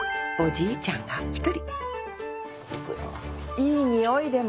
いい匂いでも。